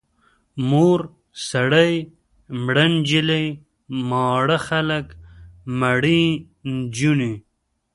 مور سړی، مړه نجلۍ، ماړه خلک، مړې نجونې.